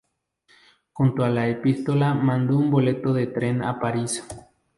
Junto a la epístola mandó un boleto de tren a París.